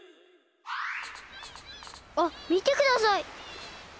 あっみてください！